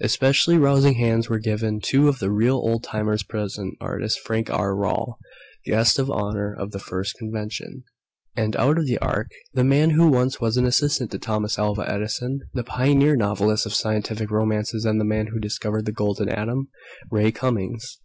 Especially rousing hands were given two of the real old timers present, artist Frank R. Paul (Guest of Honor of the first Convention), and out of the Ark the man who once was an assistant to Thomas Alva Edison, the pioneer novelist of scientific romances and the man who discovered the Golden Atom Ray Cummings.